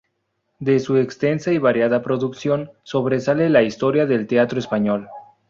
De su extensa y variada producción sobresale la "Historia del Teatro Español.